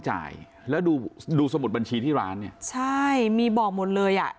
จ่ายแล้วดูดูสมุดบัญชีที่ร้านเนี่ยใช่มีบอกหมดเลยอ่ะ